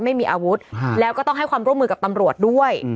ไม่มีอาวุธแล้วก็ต้องให้ความร่วมมือกับตำรวจด้วย